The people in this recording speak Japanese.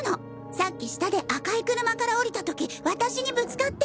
さっき下で赤い車から降りた時私にぶつかって。